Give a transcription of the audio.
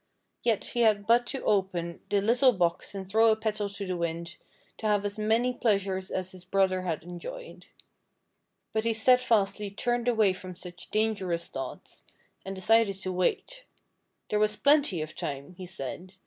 Yet he had but to open the THE FAIRY SPINNING WHEEL 114 little box and throw a petal to the wind to have as many pleas ures as his brother had enjoyed. But he steadfastly turned away from such dangerous thoughts, and decided to wait. There was plenty of time, he said.